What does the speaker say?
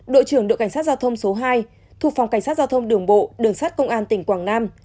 đội trưởng đội cảnh sát giao thông số hai thuộc phòng cảnh sát giao thông đường bộ đường sát công an tỉnh quảng nam